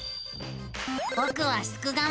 ぼくはすくがミ。